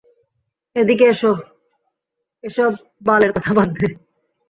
এদিকে এসো - এসব বালের কথা বাদ দে।